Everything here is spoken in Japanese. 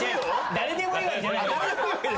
誰でもいいわけじゃない。